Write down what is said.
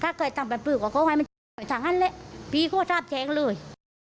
ถ้าเคยทำแบบปืนก่อเขาไว้มันจับไปกับฉันเลยพี่ก็จับแชงเลย